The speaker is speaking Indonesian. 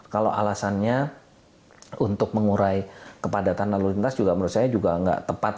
kalau alasannya untuk mengurai kepadatan lalu lintas juga menurut saya juga nggak tepat